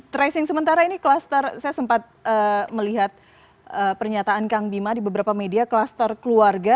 tracing sementara ini kluster saya sempat melihat pernyataan kang bima di beberapa media kluster keluarga